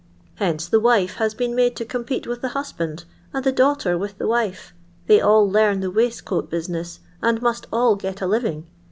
Hence the wife has been made to compete with the husband, and the daughter with the wife : they all learn the waistcoat busi ness, and must all get a living.